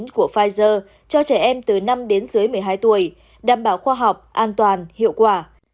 của pfizer cho trẻ em từ năm đến dưới một mươi hai tuổi đảm bảo khoa học an toàn hiệu quả